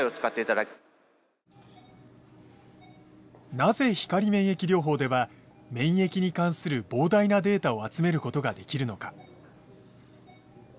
なぜ光免疫療法では免疫に関する膨大なデータを集めることができるのか。